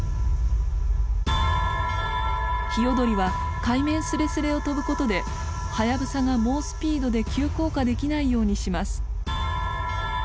ヒヨドリは海面すれすれを飛ぶことでハヤブサが猛スピードで急降下できないようにします。